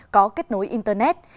có kết nối internet